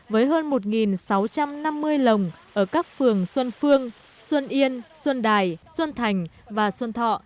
với hơn một sáu trăm năm mươi lồng ở các phường xuân phương xuân yên xuân đài xuân thành và xuân thọ